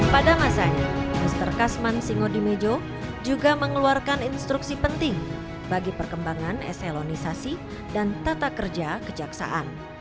pada masanya mr kasman singodimejo juga mengeluarkan instruksi penting bagi perkembangan eselonisasi dan tata kerja kejaksaan